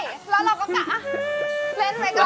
ใช่แล้วเราก็เลนส์ไว้ก่อน